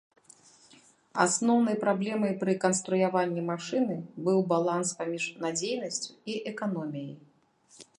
Асноўнай праблемай пры канструяванні машыны быў баланс паміж надзейнасцю і эканоміяй.